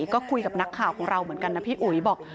ก็คุยกับนักข่าวของเราเหมือนกันนะพี่อุ๋ยบอก